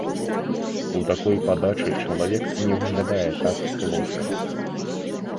У такой падачы чалавек не выглядае так плоска.